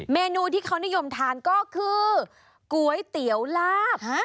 เมนูที่เขานิยมทานก็คือก๋วยเตี๋ยวลาบ